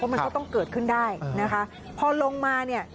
มันก็ต้องเกิดขึ้นได้นะคะพอลงมาเนี่ย